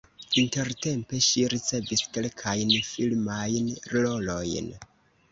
Intertempe ŝi ricevis kelkajn filmajn rolojn.